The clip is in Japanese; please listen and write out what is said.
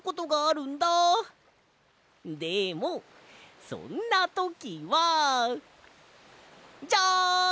でもそんなときはジャン！